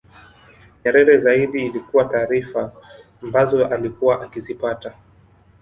Nyerere zaidi ilikuwa taarifa ambazo alikuwa akizipata